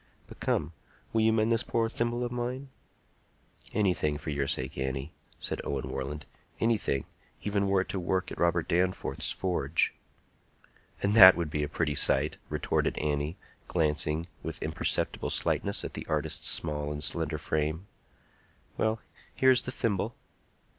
But come, will you mend this poor thimble of mine?" "Anything for your sake, Annie," said Owen Warland,—"anything, even were it to work at Robert Danforth's forge." "And that would be a pretty sight!" retorted Annie, glancing with imperceptible slightness at the artist's small and slender frame. "Well; here is the thimble."